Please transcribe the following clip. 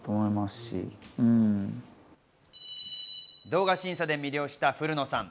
動画審査で魅了した古野さん。